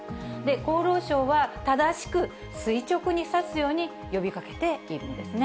厚労省は、正しく垂直に刺すように呼びかけているんですね。